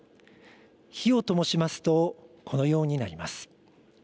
火をともしますと、このようになります。